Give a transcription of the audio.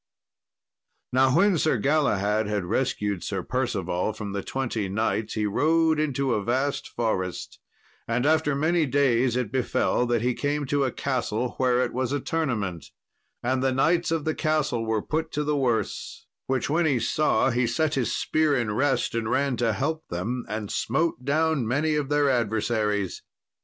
Now when Sir Galahad had rescued Sir Percival from the twenty knights he rode into a vast forest. And after many days it befell that he came to a castle whereat was a tournament. And the knights of the castle were put to the worse; which when he saw, he set his spear in rest and ran to help them, and smote down many of their adversaries.